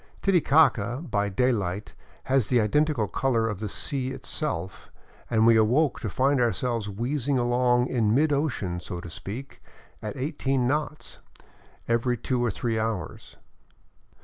Titicaca by day light has the Identical color of the sea itself, and we awoke to find ourselves wheezing along in mid ocean, so to speak, at eighteen knots — every two or three hours.